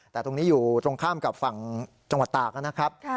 แต่ตรงนี้อยู่ตรงข้ามกับฝั่งจังหวัดตากนะครับ